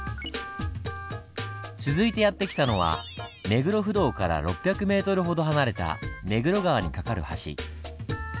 続いてやって来たのは目黒不動から６００ｍほど離れた目黒川に架かる橋。